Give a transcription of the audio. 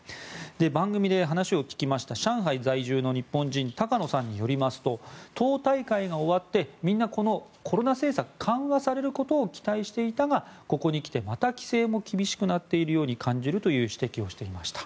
番組で話を聞きました上海在住の日本人高野さんによりますと党大会が終わってみんな、コロナ政策が緩和されることを期待していたがここに来て、また規制も厳しくなっているように感じるという指摘もしていました。